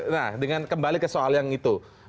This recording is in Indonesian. nah dengan kembali ke soal yang itu